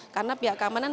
karena pihak keamanan